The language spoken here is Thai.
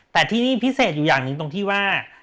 แต่ที่นี่พิเศษอยู่อย่างหนึ่งตรงที่ว่า